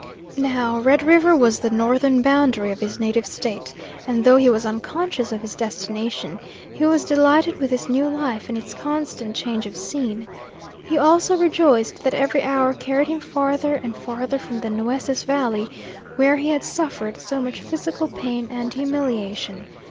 Now Red River was the northern boundary of his native State, and though he was unconscious of his destination, he was delighted with his new life and its constant change of scene. He also rejoiced that every hour carried him farther and farther from the Nueces valley, where he had suffered so much physical pain and humiliation.